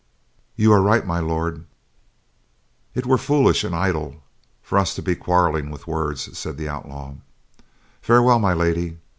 "You are right, My Lord, it were foolish and idle for us to be quarreling with words," said the outlaw. "Farewell, My Lady.